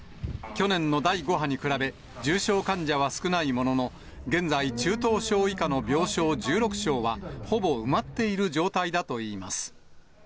去年の第５波に比べ、重症患者は少ないものの、現在、中等症以下の病床１６床は、ほぼ埋まっている状態だといいます。